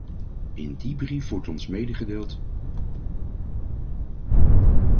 In die brief wordt ons meegedeeld...